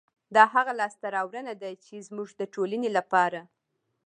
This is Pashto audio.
دا هغه لاسته راوړنه ده، چې زموږ د ټولنې لپاره